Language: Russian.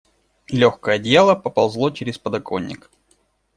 Легкое одеяло поползло через подоконник.